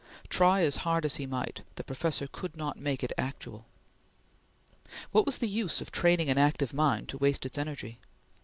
Try as hard as he might, the professor could not make it actual. What was the use of training an active mind to waste its energy?